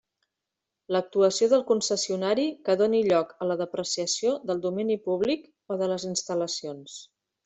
L'actuació del concessionari que doni lloc a la depreciació del domini públic o de les instal·lacions.